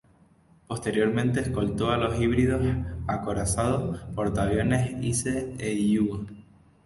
Posteriormente escoltó a los híbridos acorazado-portaaviones "Ise" e "Hyūga".